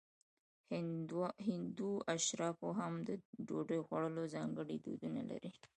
هندو اشرافو هم د ډوډۍ خوړلو ځانګړي دودونه لرل.